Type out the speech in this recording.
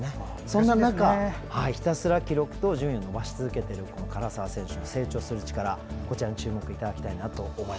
そんな中、ひたすら記録と順位を伸ばし続けている唐澤選手の成長する力に注目していただきたいと。